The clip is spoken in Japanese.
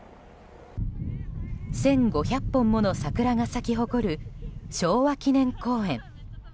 １５００本もの桜が咲き誇る昭和記念公園。